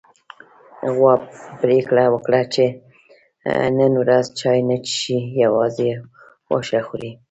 غوا پرېکړه وکړه چې نن ورځ چای نه څښي، يوازې واښه خوري.